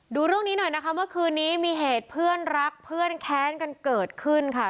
ดูเรื่องนี้หน่อยนะคะเมื่อคืนนี้มีเหตุเพื่อนรักเพื่อนแค้นกันเกิดขึ้นค่ะ